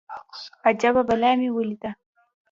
اجبه بلا مې وليده.